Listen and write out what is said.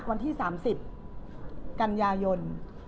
วันที่๓๐กันยายน